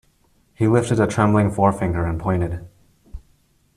He lifted a trembling forefinger and pointed.